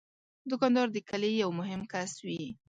دوکاندار د کلي یو مهم کس وي.